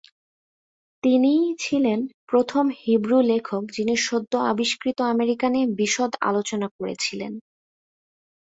তিনিই ছিলেন প্রথম হিব্রু লেখক যিনি সদ্য আবিষ্কৃত আমেরিকা নিয়ে বিশদ আলোচনা করেছিলেন।